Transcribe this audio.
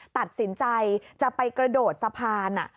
ตัดสินใจจะไปกระโดดสะพาน